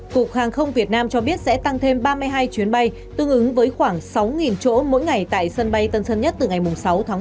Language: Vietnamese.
cục hàng không việt nam cho biết sẽ tăng thêm ba mươi hai chuyến bay tương ứng với khoảng sáu chỗ ngồi ngay tại sân bay tân sơn nhất